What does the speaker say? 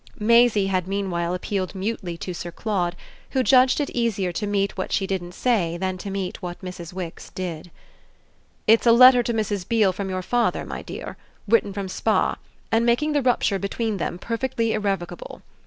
Maisie had meanwhile appealed mutely to Sir Claude, who judged it easier to meet what she didn't say than to meet what Mrs. Wix did. "It's a letter to Mrs. Beale from your father, my dear, written from Spa and making the rupture between them perfectly irrevocable.